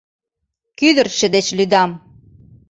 Кӱдырчӧ деч лӱдам...